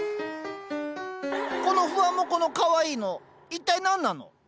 このふわもこのかわいいの一体何なの？